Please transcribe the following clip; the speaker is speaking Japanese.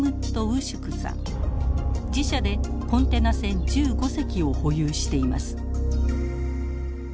自社でコンテナ船１５隻を保有しています。